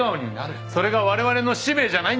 それがわれわれの使命じゃないんですか？